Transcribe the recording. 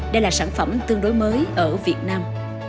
đây là sản phẩm tương đối mới ở việt nam